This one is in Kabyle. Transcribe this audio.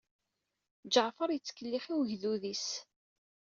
Ǧaɛfeṛ yettkellix i wegdud-is.